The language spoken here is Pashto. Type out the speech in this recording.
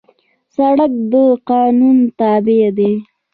سړک د قانون تابع دی.